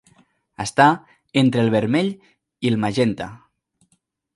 Està entre el vermell i el magenta.